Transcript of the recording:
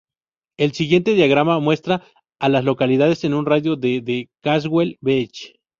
El siguiente diagrama muestra a las localidades en un radio de de Caswell Beach.